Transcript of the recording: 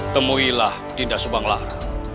temuilah dinda subanglar